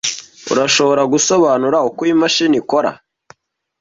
Urashobora gusobanura uko iyi mashini ikora?